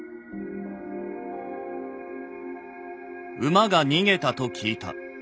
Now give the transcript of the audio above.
「馬が逃げたと聞いた。